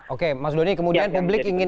oke mas doni kemudian publik ingin